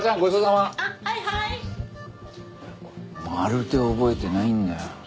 まるで覚えてないんだよ。